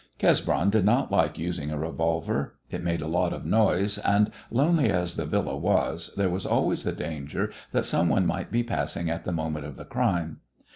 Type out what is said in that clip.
Cesbron did not like using a revolver. It made a lot of noise, and, lonely as the Villa was, there was always the danger that some one might be passing at the moment of the crime.